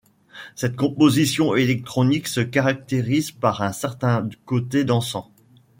Cette composition électronique se caractérise par un certain côté dansant.